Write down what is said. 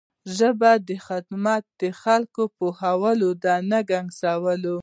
د ژبې خدمت د خلکو پوهول دي نه ګنګسول.